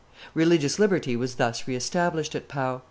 Religious liberty was thus reestablished at Pau.